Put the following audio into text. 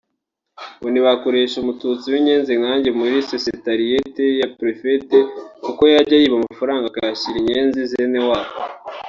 ngo ntibakoresha umututsi w’inyenzi nkanjye muri secetariat ya Prefet kuko yajya yiba amabanga akayashyira inyenzi zenewabo